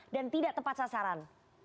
dan tidak tepat sasaran